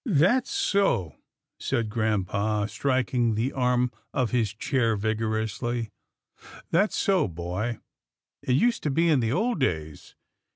" That's so/' said grampa, striking the arm of his chair vigorously, " that's so, boy. It usen't to be in the old days.